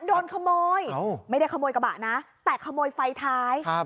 โดนขโมยไม่ได้ขโมยกระบะนะแต่ขโมยไฟท้ายครับ